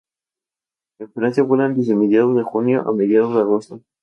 En Francia vuelan desde mediados de junio a mediados de agosto.